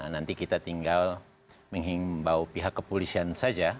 nanti kita tinggal menghimbau pihak kepolisian saja